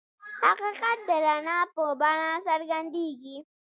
حقیقت د رڼا په بڼه څرګندېږي.